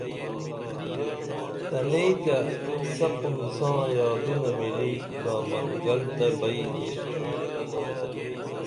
تنئیں تیہ سپُن ساں یادونہ مِلی دامن گل تہ بئی نِشتُھم